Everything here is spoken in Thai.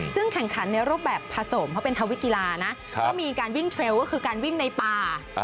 ซึ่งแข่งขันในรูปแบบผสมเพราะเป็นทวิกีฬานะก็มีการวิ่งเทรลก็คือการวิ่งในป่า